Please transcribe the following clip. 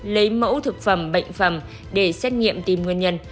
lấy mẫu thực phẩm bệnh phẩm để xét nghiệm tìm nguyên nhân